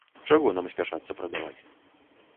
Чаго нам спяшацца прадаваць?